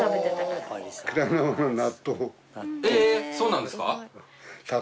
えそうなんですか？